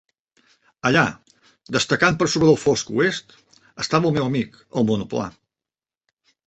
Allà, destacant per sobre del fosc oest, estava el meu amic, el monoplà.